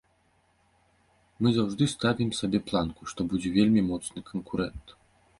Мы заўжды ставім сабе планку, што будзе вельмі моцны канкурэнт.